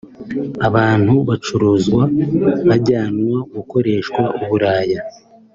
Abantu bacuruzwa bajyanwa gukoreshwa uburaya